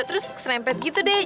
terus serempet gitu deh